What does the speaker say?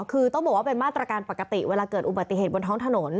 คือต้องบอกว่าเป็นมาตรการปกติเวลาเกิดอุบัติเหตุบนท้องถนน